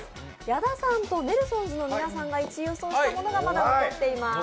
矢田さんとネルソンズの皆さんが１位予想したものがまだ残っています。